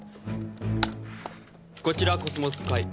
こちらコスモスカイ。